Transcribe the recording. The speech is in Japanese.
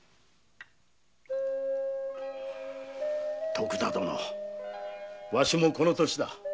徳田殿わしもこの齢。